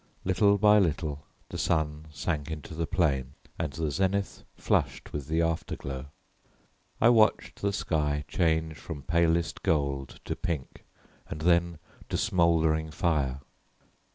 Little by little the sun sank into the plain, and the zenith flushed with the after glow. I watched the sky change from palest gold to pink and then to smouldering fire.